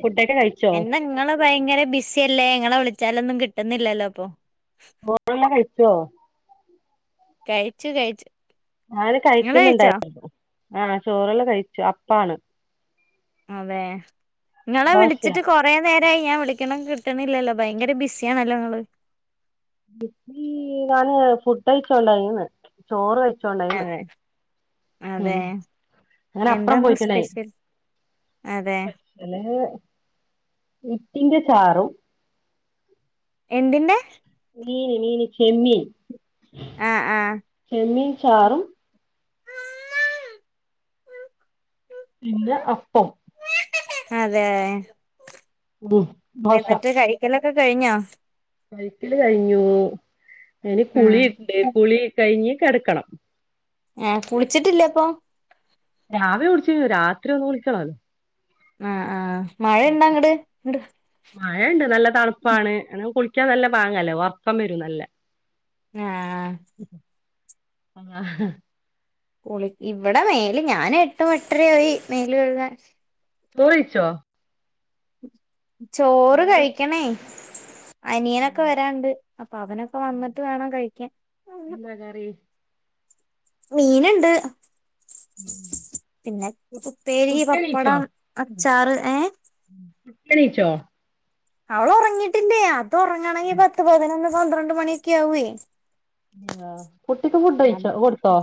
ഫുഡ്ക്കൊ കഴി എന്താ നിങ്ങള് ഭയങ്കര ബിസി അല്ലേ ഇങ്ങളെ വിളിച്ചാലൊന്നും കിട്ടുന്നില്ലല്ലോ ഇപ്പൊ. ബോറെല്ലാം കയിച്ചോ കെയിച്ചൂ കയിച്ചു ഞാന് കയിക്കുന്നുണ്ടായിരുന്നു. ആഹ് ചോറെള്ള കയിച്ചു അപ്പാണ്. അതെ. ഇങ്ങളെ ദോശയാ വിളിച്ചിട്ട് കൊ കൊറേ നേരമായി ഞാൻ വിളിക്ക്ണ് കിട്ടണില്ലല്ലോ ഭയങ്കര ബിസിയാണല്ലോ നിങ്ങള് ഈ ഞാന് ഫുഡ് കയിച്ചോണ്ടായിന്ന് ചോറ് വെച്ചോണ്ടായിന്ന് അതെ അതെ അപ്പുറം എന്താന്നു പോയിട്ടുണ്ടായി സ്പെഷ്യൽ അതെ സ്പെഷ്യല് [unintelligible] ട്ടിന്റെ ചാറും എന്തിന്റെ മീന് മീന് ചെമ്മീൻ ആഹ് ആഹ് ചെമ്മീൻ ചാറും പിന്നെ അപ്പം അതെ ഉം ദോശ എന്നിട്ട് കഴിക്കലൊക്കെ കഴിഞ്ഞോ കയിക്കല് കഴിഞ്ഞു ഇനി ഉം കുളിണ്ട് കുളി കഴിഞ്ഞ് കെടക്കണം ഏഹ് കുളിച്ചിട്ടില്ലെ അപ്പം രാവിലെ കുളിച്ച് രാത്രി ഒന്ന് കുളിക്കണല്ലോ ആഹ് ആഹ് മഴ ഇണ്ടാ അങ്ങട് മഴണ്ട് നല്ല തണുപ്പാണ് എന്ന കുളിക്കാൻ നല്ല പാങ്ങല്ലേ ഉറക്കം വരും നല്ല ആഹ് ആഹ് കുളി ഇവിടെ മേൽ ഞാൻ എട്ട് എട്ടര ആയി മേല് കഴുകാൻ ചോറ് കഴിച്ചോ ചോറ് കഴിക്കണേ ആ, അനിയനൊക്കെ വരാണ്ട് അപ്പൊ അവനൊക്കെ വന്നിട്ട് വേണം കഴിക്കാൻ എന്താ കറി മീന്ണ്ട് പിന്നെ ഉപ്പേരി കുട്ടിയെണീച്ചോ പപ്പടം അച്ചാറ് ഏഹ് [unintelligible] അവള് ഉറങ്ങിട്ടില്ലേ അവള് ഉറങ്ങാണെങ്കി പത്ത് പതിനൊന്ന് പന്ത്രണ്ട് മണിയൊക്കെ ആവേ [inaudible] ആഹ് കുട്ടിക്ക് ഫുഡ് കഴിച്ചോ കൊടുത്തോ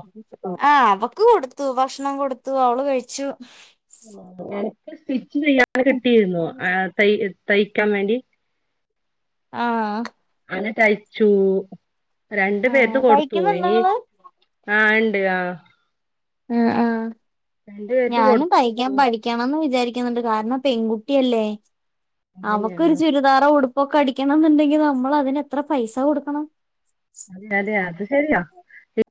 ആഹ് അവക്ക് കൊടുത്തു ഭക്ഷണം കൊടുത്തു അവള് കഴിച്ചു എനക്ക് സ്റ്റിച്ച് ചെയ്യാൻ കിട്ടിയിരുന്നു ആഹ് തയ് തയ്ക്കാൻ വേണ്ടി ആഹ് ആഹ് അങ്ങനെ തയ്ച്ചു രണ്ടു ആ പേർക്ക് കൊടുത്തു തയ്ക്കുന്നുണ്ടോ ഇനി നിങ്ങള് ആഹ് ഉണ്ട് ആഹ് ആഹ് ആഹ് രണ്ടു പേർക്ക് ഞാനും കൊടുത്തു തയ്യിക്കാൻ പഠിക്കാൻ പഠി ഞാനും വിചാരിക്കുന്നുണ്ട് കാരണം പെൺകകുട്ടിയല്ലേ അതന്നെ അവക്കരു ആഹ് ചുരി ചുരിദാറോ ഉടുപ്പൊക്കെ അടിക്കണം എന്നുണ്ടെങ്കിൽ നമ്മൾ അതിന് എത്ര പൈസ കൊടുക്കണം അതെ അതെ അത് ശരിയാ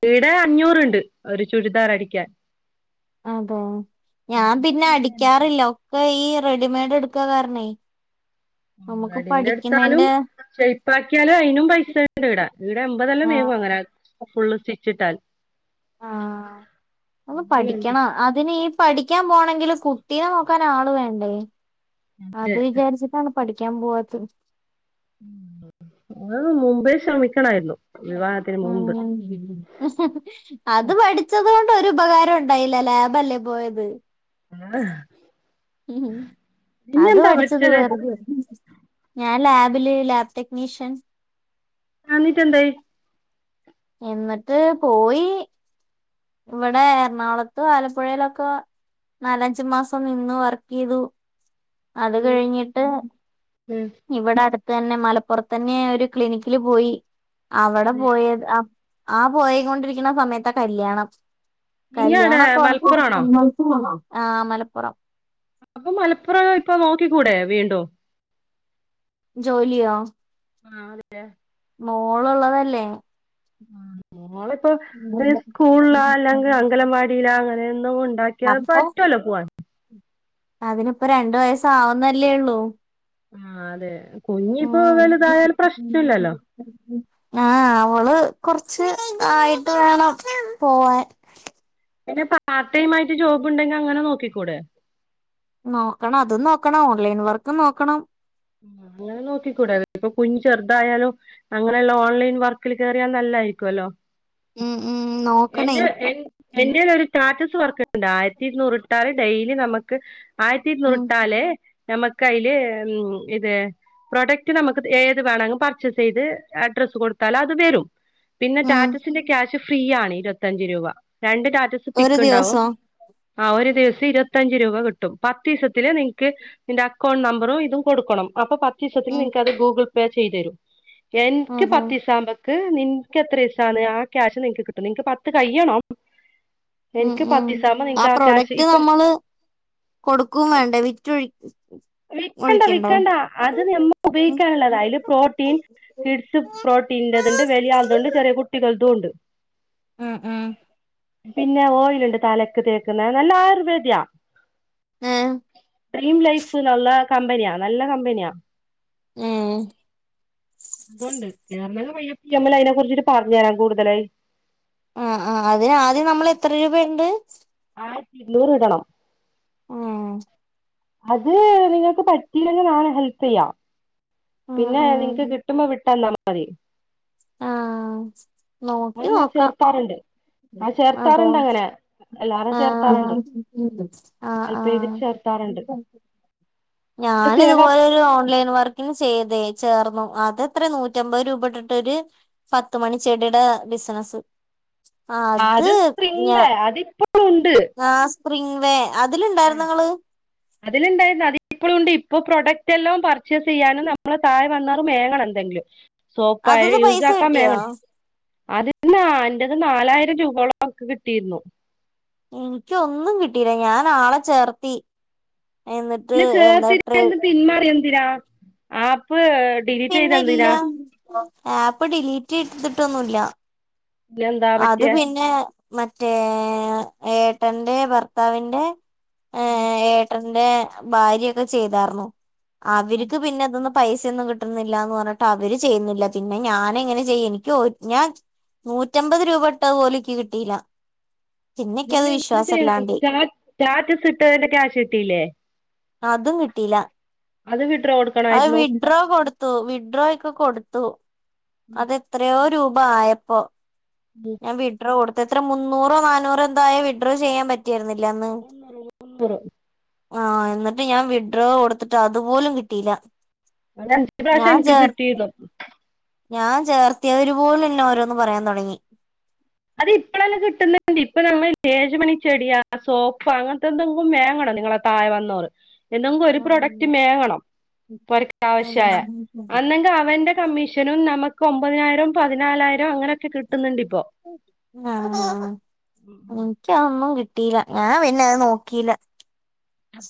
ഇവിടെ അഞ്ഞൂറുണ്ട് ഒരു ചുരിദാർ അടിക്കാൻ അതെ ഞാൻ പിന്നെ അടിക്കാറില്ല ഒക്കെ ഈ റെഡിമെയ്ഡ് എടുക്കാ കാരണേ നമുക്ക് റെഡിമൈഡ് എടുത്താലും പഠിക്കുന്നതിന്റെ ഷെയപ്പ്പ്പാക്കിയാലും അതിനും പൈസ ഉണ്ട് ഇവിടെ ഇവിടെ എമ്പതെല്ലാം ആഹ് മേങ്ങും അങ്ങനെ ഫുള്ള് സ്റ്റിച്ചിട്ടാൽ ആഹ് ഒന്ന് പഠിക്കണം അതിന് ഈ പഠിക്കാൻ പോണങ്കിൽ കുട്ടീനെ നോക്കാൻ ആൾ വേണ്ടേ അത് വിചാരിച്ച ട്ടാണ് പഠിക്കാൻ പോവാത്തത് ആഹ് മുമ്പേ ശ്രമിക്കണായിരുന്നു വിവാഹത്തിന് മുമ്പ് ആഹ് അത് പഠിച്ചത് കൊണ്ട് ഒരു ഉപകാരം ഉണ്ടായില്ല ലാബ് അല്ലേ പോയത് ആണ് ഉം അത് പഠിച്ചത് വെറുതെ ഞാൻ ലാബില് ലാബ് ടെക്നീഷ്യൻ എന്നിട്ടു എന്തായി എന്നിട്ട് പോയി ഇവിടെ എറണാകുളത്തും ആലപ്പുഴയിലൊക്കെ നാലഞ്ചു മാസം നിന്ന് വർക്ക് ചെയ്തു അത് ഉം കഴിഞ്ഞിട്ട് ഇവിടെ അടുത്ത തന്നെ മലപ്പുറത്തന്നെ ഒരു ക്ലിനിക്കില് പോയി അവിടെ പോയത് ആ പോയക്കൊണ്ടിരിക്കുന്ന സമയത്ത കല്യാണം ഇങ്ങടെ കല്യാണൊക്കെ ഉറപ്പ മലപ്പുറാണോ [unintelligible] ആഹ് മലപ്പുറം അപ്പൊ മലപ്പുറം ഇപ്പൊ നോക്കിക്കൂടെ വീണ്ടും ജോലിയോ ആഹ് അതെന്നെ മോള് ഉള്ളതല്ലേ മോള് ഇപ്പം ഹ് വല്ല സ്കൂളിലാ അല്ലെങ്കിൽ അങ്കലവാടിയിലാ അങ്ങനെയൊന്നും കൊണ്ടാക്കിയാ അപ്പൊ പറ്റുവല്ല പോവാൻ അതിനിപ്പോ രണ്ടു വയസ്സ ആവുന്നല്ലേ ഉള്ളൂ ആഹ് അതെ കുഞ്ഞിപ്പോ വലുതായാലും പ്രശ്ന ഇല്ലല്ലോ ആഹ് അവള് കൊറച്ച് ആയിട്ട് വേണം പോവാൻ പിന്നെ പാർട്ട് ടൈആയിട്ട് ജോബ് ഉണ്ടെങ്കി അങ്ങനെ നോക്കിക്കൂടെ നോക്കണം അതും നോക്കണം ഓൺലൈൻ വർക്ക് നോക്കണം ങ്ങനെ നോക്കിക്കൂടാെ ഇപ്പൊ കുഞ്ഞ് ചെറുതായാലും അങ്ങനെയല്ല ഓൺലൈൻ വർക്കിൽ കയറിയാൻ നല്ലായിരിക്കുംല്ലോ ഉം ഉം നോക്കണേ എന്റെ എൻ എന്റെലരു സ്റ്റാറ്റസ് വർക്കണ്ട് ആയിരത്തി ഇരുന്നൂറിട്ടാല് ഡെയിലി നമുക്ക് ആയിരത്തി ഉം ഇരുന്നൂറിട്ടാല് നമ്മക്ക് അയില് ഉം ഇത് പ്രോഡക്റ്റ് നമുക്ക് ഏത് വേണമെങ്കിലും പർച്ചേസ് ചെയ്ത് അഡ്രസ്സ് കൊടുത്താലും അത് വരും പിന്നെ ഉം ടാറ്റസിന്റെ ക്യാഷ് ഫ്രീ ആണ് ഇരുപത്തഞ്ച് രൂപ രണ്ട് ടാറ്റസ് ഒരു പിക്ക് ഉണ്ടാവും ദിവസം ആഹ് ഒരു ദിവസം ഇരുപത്തഞ്ച് രൂപ കിട്ടും പത്ത് ദിവസത്തില് നിങ്ങക്ക് നിന്റെ അക്കൗണ്ട് നമ്പറും ഇതും കൊടുക്കണം അപ്പൊ പത്ത് ദിവസത്ത ഉം നിങ്ങക്ക്ത് ഗൂഗിൾ പേ ചെയ്തു തരും എനിക്ക് അതെ പത്ത് ദിവസകുമ്പ ക്ക് നിനക്ക് എത്ര ദിവസമാണ് ആ ക്യാഷ് നിങ്ങക്ക് കിട്ടും നിക്ക് പത്ത് കഴ്യണം ഉം ഉം ആ ക്യാഷ് പ്രൊഡക്റ്റ് ഇപ്പൊ നമ്മള് കൊടുക്കും വേണ്ടേ വിറ്റൊഴി വിൽക്കണ്ട ഒഴിക്കണ്ടേ വിക്കണ്ട അത് നമ്മക്ക് ഉം ഉപയോഗിക്കാനുള്ളത് അതില് പ്രോട്ടീൻ കി ഡ്സ് പ്രോട്ടീനിതുണ്ട് വല്യ ആൾ അതുംണ്ട് ചെറിയ കുട്ടികൾതും ഉണ്ട് ആ ആ പിന്നെ ഓയിലണ്ട് തലക്ക് തേക്കുന്ന നല്ല ആയുർവേദിയ ഏഹ് ഡ്രീം ലൈഫ് എന്നുള്ള കമ്പനിയാ നല്ല കമ്പനിയാ ഉം നമ്മള് അതിനെകുറിച്ചിട്ട് പറഞ്ഞരാം കൂടുതലായി ആഹ് ആഹ് അതിന് ആദ്യം നമ്മൾ എത്ര രൂപ ഉണ്ട് ആയിരത്തി ഇരുന്നൂറ് ഇടണം. ഉം അത് നിങ്ങൾക്ക് പറ്റില്ലെങ്കിൽ ഞാന് ഹെൽപ് ചെയ്യാം. ഉം പിന്നെ നിങ്ങക്ക് ഉം കിട്ടുമ്പോ വിട്ടാന്നാ മതി. പരിങ്ങനെ ആഹ് നോക്കി ഞാന് നോക്കാം ചേർക്കാണ്ട്. ആ അതെ ചേർത്താറുണ്ട് അങ്ങനെ, എല്ലാരും ആഹ് ചേർത്താറുണ്ട് ആഹ് ആഹ് അല്പം ഇതിൽ ആഹ് ചേർത്താറുണ്ട്. ഞാന് സേവ ഇതുപോലെ ഒരു ഓൺലൈൻ വർ ക്കിൻ ചെയ്തേ ചേർന്നു അതെത്രെ നൂറ്റമ്പത് രൂപ ഇട്ടിട്ടൊര് പത്ത് മണി ചെടിയുടെ ബിസിനസ് അത് സിപ്രിങ്ങ് ഞാ വേ അതിപ്പഴും ഉണ്ട്. ആഹ് സ്പ്രിംഗ് വേ അതിലുണ്ടായിരുന്നങ്ങള് അതിലുണ്ടായിരുന്നു അതി ഇപ്പളും ഇണ്ട് ഇപ്പൊ പ്രൊഡക്റ്റ് എല്ലാം പർച്ചേസ് ചെയ്യാനും നമ്മള് താഴെ വന്നാലും മേങ്ങണം എന്തെങ്കിലും സോപ്പായി അതിന്ന് യൂസ് പൈസ ആക്കാൻ കിട്ടിയോ വേങ്ങണം. അതിന്ന് ആഹ് എന്റെത് നാലായിരം രൂപയോളം ഇക്ക് കിട്ടിയിരുന്നു. ഇനിക്ക് ഒന്നും കിട്ടില്ല ഞാൻ ആളെ ചേർത്തി. എന്നിട്ട് പിന്നെ എന്താ ട്രേ ചേർത്തിയേന്ന് പിന്മറിയെന്തിനാ ആപ്പ് ഡിലീറ്റ് ചെയ്ത് പിന്നെ ഇല്ല എന്തിനാ ആപ്പ് ഡിലീറ്റ് ചെയ്തിട്ടൊന്നുല്ല. പിന്നെ എന്താ അത് പറ്റിയ പിന്നെ മറ്റേ ഏട്ടന്റെ ഭർത്താവിന്റെ ഏഹ് [inaudible] ഏട്ടന്റെ ഭാര്യ ഒക്കെ ചെയ്താർന്നു അവര്ക്ക് പിന്നെ ഇതൊന്നും പൈസയൊന്നും കിട്ടുന്നില്ല എന്ന് പറഞ്ഞിട്ട് അവര് ചെയ്യുന്നില്ല പിന്നെ ഞാനെങ്ങനെ ചെയ്യ എനിക്ക് ഞാൻ നൂറ്റമ്പത് രൂപ ഇട്ടത് പോലും ഇക്കി കിട്ടിയില്ല നിങ്ങ പിന്നെക്കത് എന്ത് ചെയ്യണം വിശ്വാസല്ലാണ്ടായി സ്റ്റാറ്റസ് ഇട്ടതിന്റെ ക്യാശ് കിട്ടയില്ലേ. അതും കിട്ടിയില്ല. അത് വിട്രോ ടു അത് വിഡ്രോ കൊടുത്തു വിഡ്രോ ഒക്കെ കൊടുത്തു. അതെത്രയോ രൂപ ആയപ്പോ. [unintelligible] ഞാൻ വിഡ്രോ കൊടുത്ത് എത്രെ മുന്നൂറോ നാനൂറോ എന്താ ആയ വിഡ്രോ ചെയ്യൻ പറ്റിയരുന്നില്ല അന്ന്. നൂറ് മുന്നൂറ്. ആഹ് എന്നിട്ട് ഞാൻ വിഡ്രോ കൊടുത്തിട്ട് അതുപോലും കിട്ടിയില്ല. ഒരഞ്ച് പ്രാവ്യശം ഞാൻ എനിക്ക് ചേർ കിട്ടിയിള്ളു. ഞാൻ ചേർത്തിയവര് പോലും എന്നെ ഓരോന്ന് പറയാൻ തുടങ്ങി. അത് ഇപ്പളല്ല കിട്ടുന്നത് ന്റി ഇപ്പൊ നമ്മൾ ഏജുമണി ചെടിയാ സോപ്പ അങ്ങനത്തെ എന്തെങ്കിലും മേങ്ങണം നിങ്ങള് താഴെ വന്നോറ് എന്നെങ്കും ഒരു പ്രൊഡക്റ്റ് മേങ്ങണം പുരക്കാവശ്യായ അന്നെങ്കിൽ അവന്റെ കമ്മീഷനും നമുക്ക് ഒമ്പതിനായിരം പതിനാലായിരം അങ്ങനെയൊക്കെ കിട്ടുന്നുണ്ട് ഇപ്പോ ആഹ് എനിക്കതൊന്നും കിട്ടിയില്ല ഞാൻ പിന്നെ അത് നോക്കിയില്ല.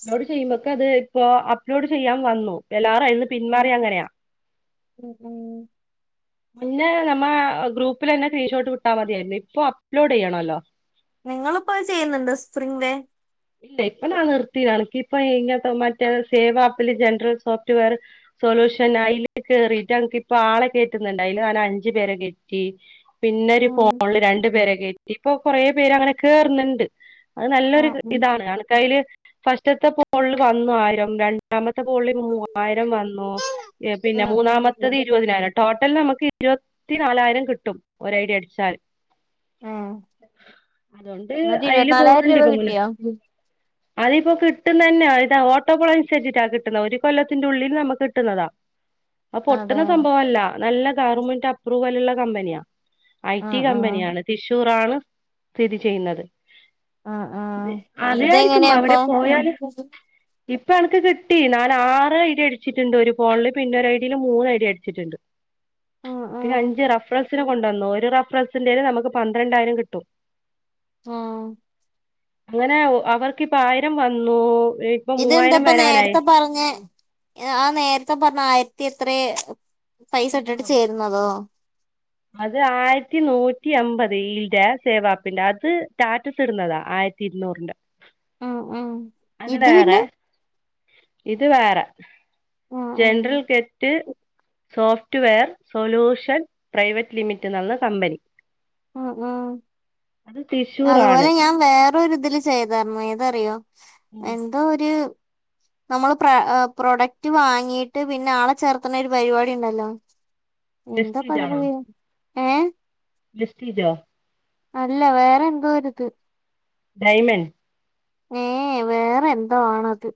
അപ് ലോഡ് ചെയ്യുമ്പൊക്ക അത് ഇപ്പോ അപ്ലോഡ് ചെയ്യാൻ വന്നു എല്ലാറയ്ന്ന് [unintelligible] പിന്നെ നമ്മെ ഗ്രൂപ്പില് തന്നെ ക്രീഷോട്ട് വിട്ടാ മതിയായിരുന്നു. ഇപ്പൊ അപ്ലോഡ് ചെയ്യണല്ലോ. ഞങ്ങളിപ്പോ അത് ചെയ്യുന്നുണ്ട് സ്പ്രിംഗ് വേ ഇല്ല ഇപ്പൊ നാൻ നിർത്തിയതാണ് ഇക്ക് ഇപ്പ ഈ ഇങ്ങനത്തെ മറ്റേ സേവാപ്പില് ജനറൽ സോഫ്റ്റ് വെയറ് സൊല്യൂഷൻ അയില് കേറിട്ട് എൻക്ക് ഇപ്പൊ ആളെ കേറ്റുന്നുണ്ട് അയില് ഞാന് അഞ്ചു പേരെ കെറ്റി. പിന്നെ ഒരു ഫോണില് രണ്ടു പേരെ കയറ്റി ഇപ്പൊ കൊറേ പേര് അങ്ങനെ കേറുന്നുണ്ട് അത് നല്ലൊരു ആഹ് ഇത്. ഉം ആണ് എനക്കയില് ഫസ്റ്റത്തെ ഫോണില് വന്നു ആയിരം രണ്ടാമത്തെ പോളില് ഉം മൂവായിരം വന്നു. ഏഹ് പിന്നെ മൂന്നാമത്തത് ഇരുപതിനായി ട്ടോട്ടൽ നമുക്ക് ഇരുപത്തി നാലായിരം കിട്ടും ഒരു ഐഡി അടിച്ചാല് ഏഹ് അതുകൊണ്ട് എന്നിട്ട് അയില് ഇരുപത്തിനാലായിരം പോണ്‌ണ്ട് രൂപ ഇപ്പൊ മുന്നോട്ട്. കിട്ടിയോ അതിപ്പോ കിട്ടുന്ന തന്നെയ ഇതാ ഓട്ടോപോള അനുസരിച്ചിട്ടാ കിട്ടുന്നത് ഒരു കൊല്ലത്തിന്റെ ഉള്ളിൽ നമുക്ക് കിട്ടുന്നതാ. അത് അതെ പൊട്ടുന്ന സംഭവല്ല നല്ല ഗവൺമെന്റ് അപ്രൂവൽ ഇള്ള കമ്പനിയാ ഐ ടി ആഹ് ആഹ് കമ്പനിയാണ്. തൃശൂറാണ് സ്ഥിതി ചെയ്യുന്നത്. ആഹ് ആഹ് മതിയായിരിക്കും ഇതെങ്ങനെയാ അപ്പൊ അവിടെ പോയാല്. ഇപ്പൊ എനക്ക് കിട്ടി നാന് ആറ് ഐഡി അടിച്ചിട്ടുണ്ട് ഒരു ഫോണില് പിന്നെ ഒരു ഐടിൽ മൂന്ന് ഐഡി അടിച്ചിട്ടുണ്ട്. പിന്നെ ആഹ് അഞ്ച് റഫറൽസിനെ കൊണ്ടുവന്നു ഒരു റഫറൽസിറൽ നമുക്ക് പന്ത്രണ്ടായിരം കിട്ടും. ആഹ് അങ്ങനെ അവർക്കിപ്പോ ആയിരം വന്നു. മൂവായിരം ഇതെന്താപ്പ വരാനായി നേർത്തെ പറഞ്ഞെ. ആ നേരത്തെ പറഞ്ഞ ആയിരത്തി എത്രേ പൈസ ഇട്ടിട്ട് ഇരുന്നൂറ് ചേരുന്നതോ. അത് ആയിരത്തി നൂറ്റി അമ്പത് ഈൽടെ സേവാപ്പിന്റെ അത് സാറ്റസ് ഇടുന്നതാ ആയി. രിത്തിരുനൂറിന്റെ ആഹ് ആഹ് അത് വേറെ ഇത് വേറെ. General get. Software solution private limited എന്നന്ന കമ്പനി. ഉം ഉം അത് തൃശ്ശൂറാണ് അതുപോലെ ഞാൻ വേറൊരിതില് ചെയ്തായിരുന്നു ഏതറിയോ. എന്തോ ഒര് നമ്മൾ പ്ര പ്രൊഡക്റ്റ് വാങ്ങീട്ട് പിന്നെ ആളെ ചേർത്തണ ഒരു പരിപാടി ഇണ്ടല്ലോ. വെസ്റ്റീജ് എന്താപ്പത്തിന്റെ പേര് ഏഹ് വെസ്റ്റിജോ. അല്ല വേറെ എന്തോരിത് ഡൈമന് ഏ വേറെ എന്തോ ആണത്.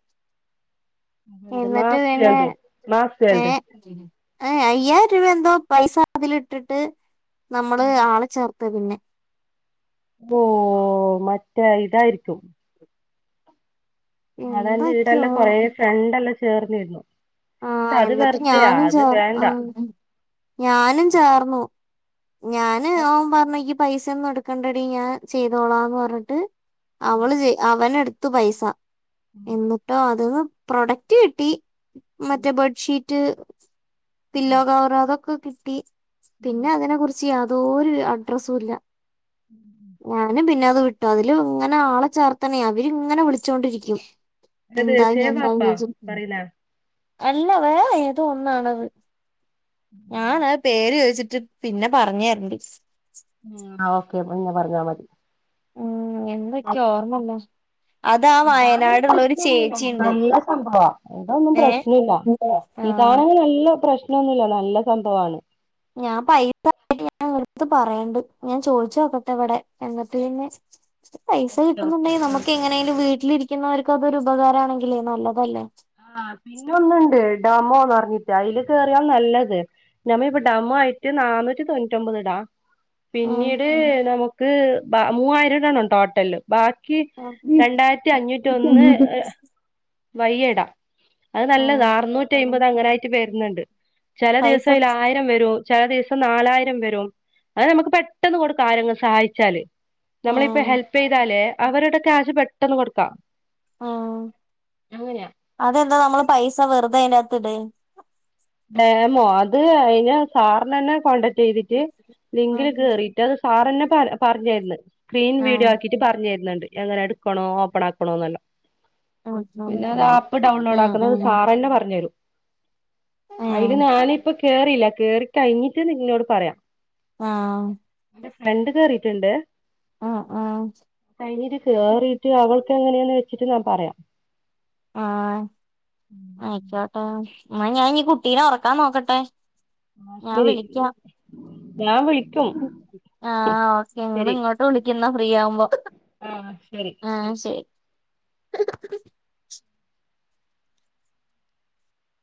എന്ത് എന്നിട്ട് മാസ് വേൾഡ് മാസ് വേൾഡ് പിന്നെ ഏഹ് അയ്യായിരം രൂപ എന്തോ പൈസ അതില് ഇട്ടിട്ട് നമ്മള് ആളെ ചേർ ക്ക പിന്നെ. ഓഹ് മറ്റേ ഇതായിരിക്കും. അതെന്റെ എന്തൊക്കെയോ ഈടല്ലെ കൊറെ ഫ്രണ്ട്ല്ലാം ചേർന്നിരുന്നു. പക്ഷെ ആഹ് അത് എന്നട്ട് വെറുതെയാ ഞാനും അത് ചേർന്ന വേണ്ട ആ. ഞാനും ചേർന്നു ഞാന് ഓൻ പറഞ്ഞു ഇയ്യ് പൈസ ഒന്നും എടുക്ക ണ്ടടി ഞാൻ ചെയ്തോളാന്ന് പറഞ്ഞിട്ട് അവള് ചെയ അവന് എടുത്തു പൈസ. എന്നിട്ടോ അതന്ന് പ്രൊഡക്റ്റ് കിട്ടി മറ്റേ ബെഡ്ഷീറ്റ്. പില്ലോ കവറ് അതൊക്കെ കിട്ടി പിന്നെ അതിനെ കുറിച്ച്. ച്ച് യാതോരു അഡ്രസ്സുല്ല. ഉം ഞാന് പിന്നെ അത് വിട്ടു അതില് ഇങ്ങനെ ആളെ ചേർത്തണേ അവരി ഇങ്ങനെ വിളിച്ചോണ്ടിരിക്കും. ഇത് എന്തായി എന്തായി സേവാപ്പാ ചോയ്ച്ച് പറയുന്ന അല്ല വേറേ ഏതൊന്നാണത് ഞാന് പേര് ചോദിച്ചിട്ട്. പിന്നെ പറഞ് തരണ്ട്. ഉം ആ ഓക്കെ പിന്നെ പറഞ്ഞാൽ മതി. എന്തൊക്കെയോ ഓർമ്മല്ല അതാ ഇതാ വയനാടുള്ള ഒരു പ്രശ്നൊന്നുല്ല ചേച്ചിയുണ്ട് നല്ല സംഭവ ഇതൊന്നും ഏ പ്രശ്നല്ല. ആഹ് ഇതാണെങ്കി നല്ല പ്രശ്നൊന്നുല്ലാ നല്ല സംഭവാണ്. ഞാൻ പൈസ [unintelligible] [unintelligible] പറയണ്ട് ഞാൻ ചോദിച്ച് നോക്കട്ടെ ഇവിടെ എന്ന്ട്ട് പിന്നെ പൈസ കിട്ടുന്നുണ്ടെ നമ്മക്ക് എങ്ങനെലും വീട്ടിലിരിക്കുന്നവർക്ക് അതൊരു ഉപകാരാണെങ്കിലേ നല്ലതല്ലേ. ആഹ് പിന്നെ ഒന്നുണ്ട് ഡെമോന്നറഞ്ഞിട്ട് അയില് കേയറിയാ നല്ലത് ഞമ്മ ഇപ്പ ഡമോ ആയിറ്റ് നാനൂറ്റി തൊണ്ണൂറ്റൊമ്പത് ഇടാ ഉം പിന്നീട് നമുക്ക് ബ മൂവായിരം ഇടണം ടോട്ടല് ബാക്കി രണ്ടായിരത്തി അഞ്ഞൂറ്റി ഒന്ന് ഉം. ഏഹ് വയ്യെടാ അത് നല്ലതാ ആഹ് അറുന്നൂറ്റി അയിമ്പത് അങ്ങനായിറ്റ് വെരുന്നുണ്ട് ചെല പൈസ ദിവസം ആയില് ആയിര വെരും ചില ദിവസം നാലായിരം വെരും അത് നമ്മക്ക് പെട്ടെന്ന് കൊടുക്കാ ആരെങ്കും സഹായിച്ചാല് ഞമ്മളിപ്പ ആഹ് ഹെൽപ്പെയ്താല് അവരുടെ ക്യാഷ് പെട്ടെന്ന് കൊടുക്കാം ഉം അതെന്താ നമ്മള് പൈസ വെറുതെ അയിന്റാത്ത്ടെ ഡെമോ അത് അയിന് സാറിനെന്നെ കോണ്ടാക് ചെയ്തിറ്റ് ലിങ്കില് ആഹ് കേറീട്ട് അത് സാറെന്നെ പറ പറഞ്ഞെരുന്ന് സ്ക്രീൻ ആഹ് വീഡിയോ ആക്കിട്ട് പറഞ്ഞെര്ന്ന്ണ്ട് എങ്ങനെ എടുക്കണോ ഓപ്പൺ ആക്കണോന്നെല്ലോ ആഹ് പിന്നെ ആഹ് അത് ആപ്പ് ഡൗൺലോഡ് ആഹ് ആക്കുന്നത് ആഹ് സാറന്നെ പറഞ്ഞെരും ഏഹ് അയില് ഞാനിപ്പ കേറില്ലാ കേറി കയിഞ്ഞിട്ട് നിന്നോട് പറയാം ആഹ് എന്റെ ഫ്രണ്ട് കേറിറ്റ്ണ്ട് ആഹ് ആഹ് കഴിഞ്ഞേന് കേറീറ്റ് അവള് എങ്ങനെയെന്ന് വെച്ചിട്ട് ഞാൻ പറയാം ആഹ് ആയിക്കോട്ടെ എന്നാ ഞാൻ ഇഞ്ഞി കുട്ടീനെ ഒറക്കാൻ നോക്കട്ടെ ആ ഞാൻ ശരി വിളിക്കാം ഞാൻ വിളിക്കും ആഹ് ഓക്കെ ഇങ്ങള് ഇങ്ങോട്ട് വിളിക്ക് ഇന്നാ ഫ്രീ ആവുമ്പോ ആഹ് ശരി ആഹ് ശരി [inaudible]